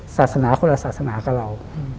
ศาสนาคนละศาสนากับเรา